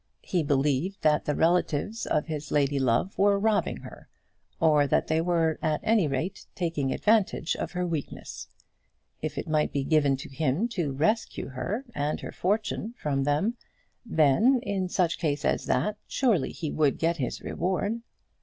He believed that the relatives of his lady love were robbing her, or that they were, at any rate, taking advantage of her weakness. If it might be given to him to rescue her and her fortune from them, then, in such case as that, surely he would get his reward.